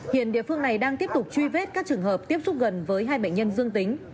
hiện địa phương này đang tiếp tục truy vết các trường hợp tiếp xúc gần với hai bệnh nhân dương tính